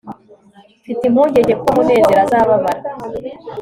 mfite impungenge ko munezero azababara